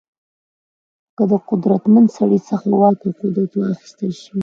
که د قدرتمن سړي څخه واک او قدرت واخیستل شي.